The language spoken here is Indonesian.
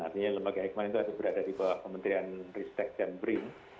artinya lembaga eijkman itu berada di bawah kementerian ristek dan brin